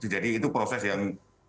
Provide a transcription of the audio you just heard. jadi itu proses yang